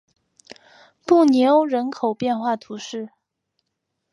布尼欧人口变化图示